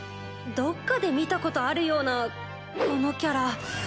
どっかで見たことあるようなこのキャラ。